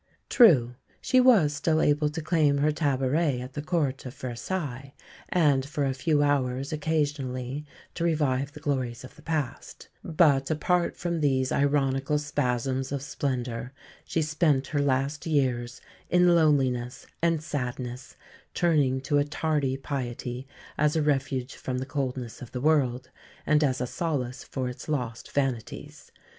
True, she was still able to claim her tabouret at the Court of Versailles, and, for a few hours occasionally, to revive the glories of the past; but apart from these ironical spasms of splendour she spent her last years in loneliness and sadness, turning to a tardy piety as a refuge from the coldness of the world, and as a solace for its lost vanities.